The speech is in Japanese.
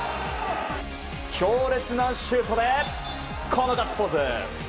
強烈なシュートでこのガッツポーズ。